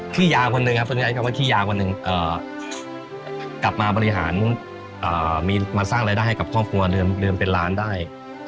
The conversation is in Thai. พี่ยาคนหนึ่งครับกลับมาบริหารมาสร้างรายได้ให้กับครอบครัวเรือนเป็นร้านได้